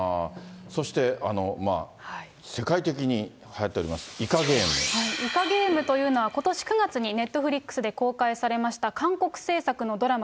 そして世界的にはやっております、イカゲームというのは、ことし９月にネットフリックスで公開されました韓国制作のドラマ